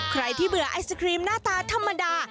ใครที่เบื่อไอศครีมหน้าตาธรรมดา